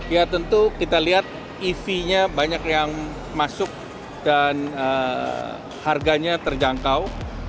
ya tentu kita lihat ev nya banyak yang masuk dan harganya terjangkau